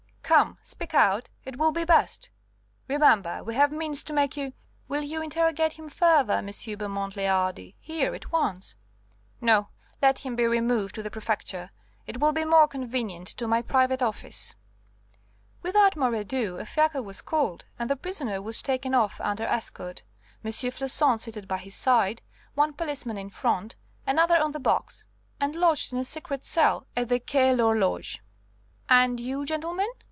"Come, speak out; it will be best. Remember, we have means to make you " "Will you interrogate him further, M. Beaumont le Hardi? Here, at once?" "No, let him be removed to the Prefecture; it will be more convenient; to my private office." Without more ado a fiacre was called, and the prisoner was taken off under escort, M. Floçon seated by his side, one policeman in front, another on the box, and lodged in a secret cell at the Quai l'Horloge. "And you, gentlemen?"